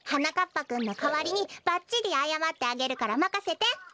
ぱくんのかわりにばっちりあやまってあげるからまかせて！